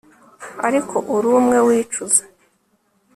ariko uri umwe wicuza